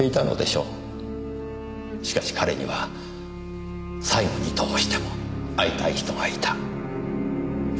しかし彼には最期にどうしても会いたい人がいた。